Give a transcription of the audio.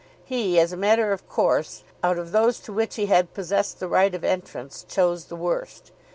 He, as a matter of course, out of those to which he had possessed the right of entrance, chose the worst.